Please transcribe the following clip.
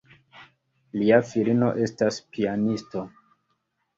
Lia filino estas pianisto.